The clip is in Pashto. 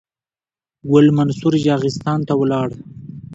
ګل منصور یاغستان ته ولاړ.